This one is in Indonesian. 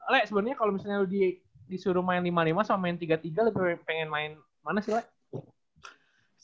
lea sebenarnya kalau misalnya lo disuruh main lima puluh lima sama main tiga puluh tiga lo pengen main mana sih lea